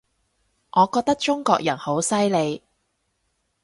我覺得中國人好犀利